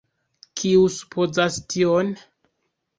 Kiu supozas tion?